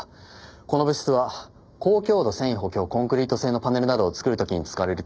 この物質は高強度繊維補強コンクリート製のパネルなどを作る時に使われる強化